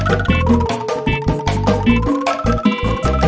eh mak mak salah